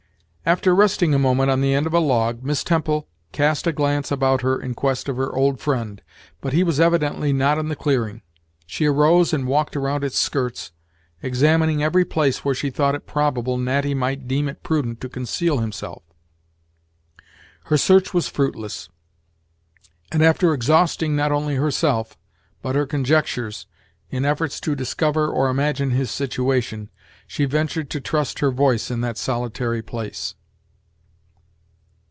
After resting a moment on the end of a log, Miss Temple cast a glance about her in quest of her old friend, but he was evidently not in the clearing; she arose and walked around its skirts, examining every place where she thought it probable Natty might deem it prudent to conceal him self. Her search was fruitless; and, after exhausting not only herself, but her conjectures, in efforts to discover or imagine his situation, she ventured to trust her voice in that solitary place.